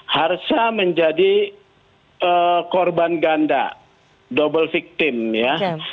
harsa menjadi korban ganda double victim ya